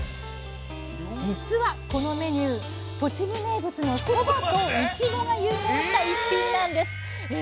じつはこのメニュー栃木名物のそばといちごが融合した逸品なんです。え！